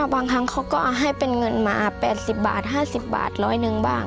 บางครั้งเขาก็ให้เป็นเงินมา๘๐บาท๕๐บาท๑๐๐นึงบ้าง